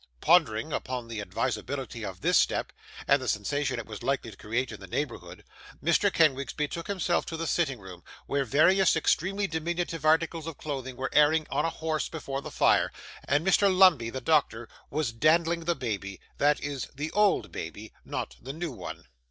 Pondering upon the advisability of this step, and the sensation it was likely to create in the neighbourhood, Mr. Kenwigs betook himself to the sitting room, where various extremely diminutive articles of clothing were airing on a horse before the fire, and Mr. Lumbey, the doctor, was dandling the baby that is, the old baby not the new one.